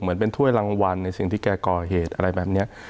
เหมือนเป็นถ้วยรางวัลในสิ่งที่แกก่อเหตุอะไรแบบนี้